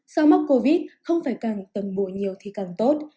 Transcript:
sau mắc covid không phải càng tẩm bổ nhiều thì càng tốt